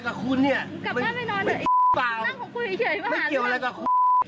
เยี่ยม